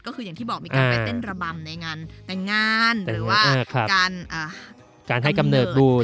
ก็คืออย่างที่บอกมีการไปเต้นระบำในงานแต่งงานหรือว่าการให้กำเนิดด้วย